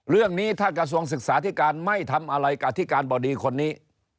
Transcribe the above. เรื่องนี้ถ้ากระทรวงศึกษาธิการไม่ทำอะไรกับอธิการบดีคนนี้